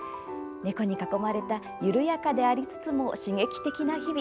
猫に囲まれた緩やかでありつつも刺激的な日々。